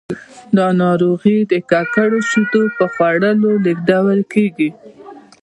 دا ناروغي د ککړو شیدو په خوړلو لیږدول کېږي.